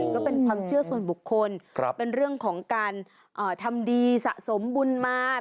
ก็เป็นความเชื่อส่วนบุคคลเป็นเรื่องของการทำดีสะสมบุญมา